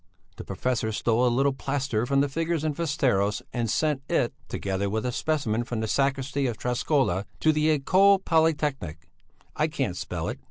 The professor stole a little plaster from the figures in Västeros and sent it, together with a specimen from the sacristy of Träskola to the Ekole Pollytechnik (I can't spell it).